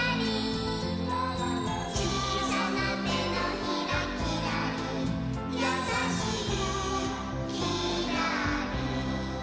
「ちいさなてのひらきらり」「やさしいきらり」